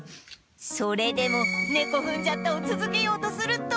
それでも『ねこふんじゃった』を続けようとすると